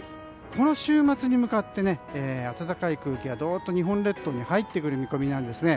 この週末に向かって暖かい空気が日本列島に入ってくる予想なんですね。